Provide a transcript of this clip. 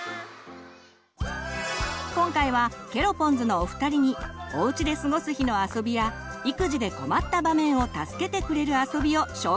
今回はケロポンズのお二人におうちで過ごす日のあそびや育児で困った場面を助けてくれるあそびを紹介してもらいます！